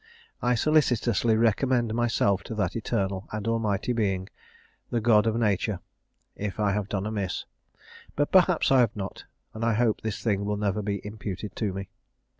I solicitously recommend myself to that eternal and almighty Being, the God of Nature, if I have done amiss. But perhaps I have not; and I hope this thing will never be imputed to me.